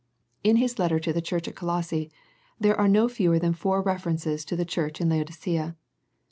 In his letter to the church at Colosse there are no fewer than four references to the church at Laodicea.